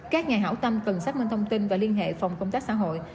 các nhà hảo tâm cần xác minh thông tin và liên hệ phòng công tác xã hội